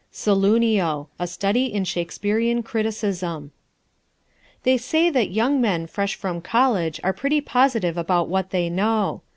Saloonio A STUDY IN SHAKESPEAREAN CRITICISM They say that young men fresh from college are pretty positive about what they know.